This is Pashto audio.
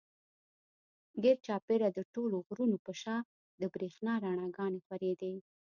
ګېر چاپېره د ټولو غرونو پۀ شا د برېښنا رڼاګانې خورېدې